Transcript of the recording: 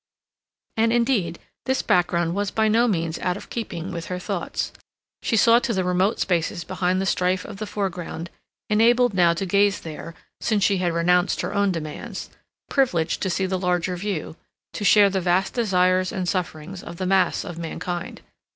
And, indeed, this background was by no means out of keeping with her thoughts. She saw to the remote spaces behind the strife of the foreground, enabled now to gaze there, since she had renounced her own demands, privileged to see the larger view, to share the vast desires and sufferings of the mass of mankind.